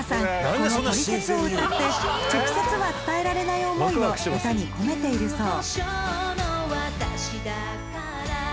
この『トリセツ』を歌って直接は伝えられない思いを歌に込めているそう